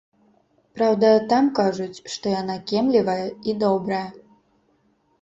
Праўда, там кажуць, што яна кемлівая і добрая.